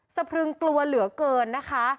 พรึงกลัวเหลือเกินนะคะ